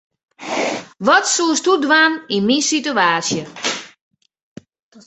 Wat soesto dwaan yn myn situaasje?